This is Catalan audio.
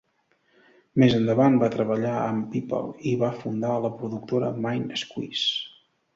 Més endavant, va treballar amb "People" i va fundar la productora "Main Squeeze".